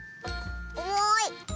おもい！